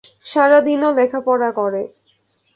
সারাদিন ও লেখাপড়া করে!